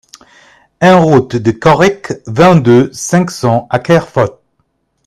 un route de Correc, vingt-deux, cinq cents à Kerfot